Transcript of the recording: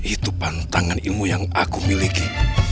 itu pantangan ilmu yang aku miliki